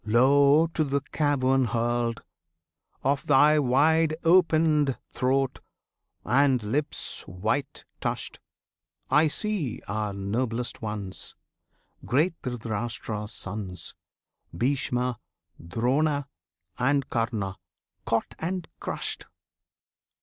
Lo! to the cavern hurled Of Thy wide opened throat, and lips white tushed, I see our noblest ones, Great Dhritarashtra's sons, Bhishma, Drona, and Karna, caught and crushed!